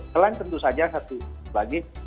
selain tentu saja satu lagi